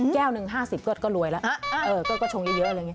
แก้วหนึ่ง๕๐ก็รวยแล้วก็ชงเยอะอะไรอย่างนี้